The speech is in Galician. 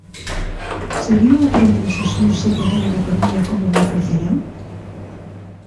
Sería un crente en Xesús se quedara na Coruña como me ofrecerán?